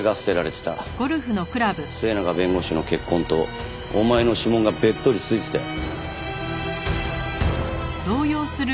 末永弁護士の血痕とお前の指紋がべっとり付いてたよ。